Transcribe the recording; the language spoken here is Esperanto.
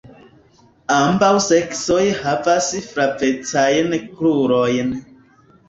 Ambaŭ seksoj havas flavecajn krurojn.